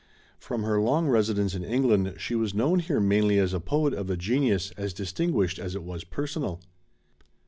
From her long residence in England she was known here mainly as a poet of a genius as distinguished as it was personal.